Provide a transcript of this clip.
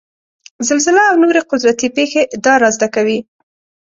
زلزله او نورې قدرتي پېښې دا رازد کوي.